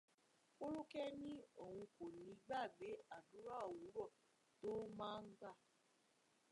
Folúkẹ́ ní òun kò ní gbàgbé àdúrà òwúrọ̀ tó máa ń gbà.